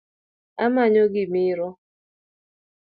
Amanyo gimiro